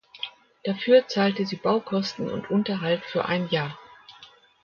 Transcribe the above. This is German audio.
Dafür zahlte sie Baukosten und Unterhalt für ein Jahr.